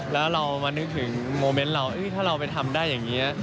แล้วเรามานึกถึงโมเมนต์เราถ้าเราไปทำได้อย่างนี้